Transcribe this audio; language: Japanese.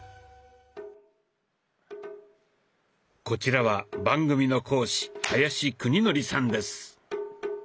こちらは番組の講師林久仁則さんです。